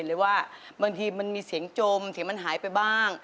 ในบทเพลงจักรยานสีแดง